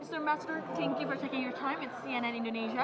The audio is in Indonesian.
mr ambassador terima kasih telah mengambil waktu di cnn indonesia